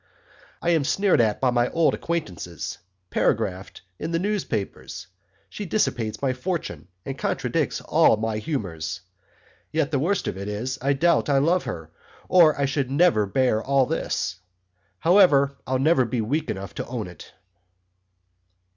I am sneered at by my old acquaintance paragraphed in the news Papers She dissipates my Fortune, and contradicts all my Humours yet the worst of it is I doubt I love her or I should never bear all this. However I'll never be weak enough to own it.